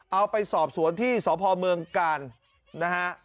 เอาไปสอบสวนที่สพเมืองกาลนะฮะ